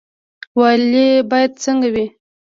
والي باید څنګه وي؟